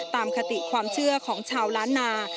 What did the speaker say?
คติความเชื่อของชาวล้านนา